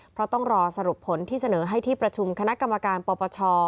เพราะต้องรอสรุปผลที่เสนอให้ที่ประชุมคณะกรรมการปปช